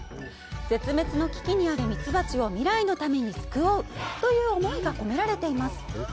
「絶滅の危機にあるミツバチを未来のために救おう」という思いが込められています。